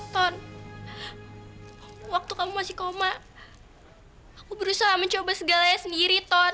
ton waktu kamu masih koma aku berusaha mencoba segalanya sendiri ton